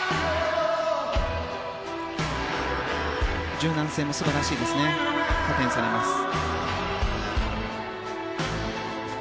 柔軟性も素晴らしいですね加点されますね。